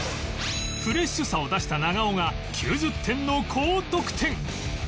フレッシュさを出した長尾が９０点の高得点！